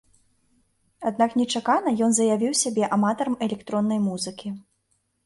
Аднак нечакана ён заявіў сябе аматарам электроннай музыкі.